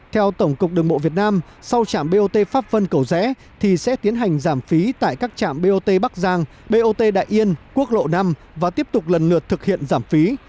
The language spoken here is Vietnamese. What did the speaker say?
theo tổng cục đường bộ việt nam sau trạm bot pháp vân cầu rẽ thì sẽ tiến hành giảm phí tại các trạm bot bắc giang bot đại yên quốc lộ năm và tiếp tục lần lượt thực hiện giảm phí